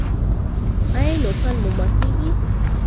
ایا نوکان مو ماتیږي؟